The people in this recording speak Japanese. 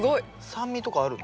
酸味とかあるの？